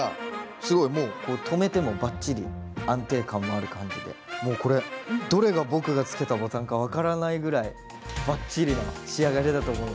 すごいもう留めてもばっちり安定感もある感じでもうこれどれが僕がつけたボタンか分からないぐらいバッチリな仕上がりだと思います。